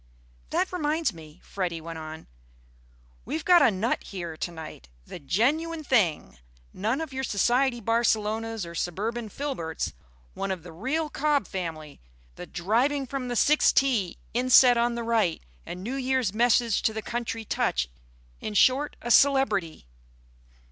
"That reminds me," Freddy went on, "we've got a nut here to night. The genuine thing. None of your society Barcelonas or suburban Filberts. One of the real Cob family; the driving from the sixth tee, inset on the right, and New Year's message to the country touch. In short, a celebrity."